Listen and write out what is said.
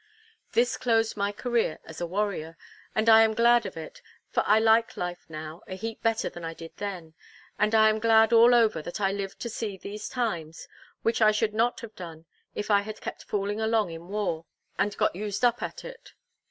This closed my career as a warrior, and I am glad of it, for I like life now a heap better than I did then; and I am glad all over that I lived to see these times, which I should not have done if I had kept fooling along in war, and got used up at it.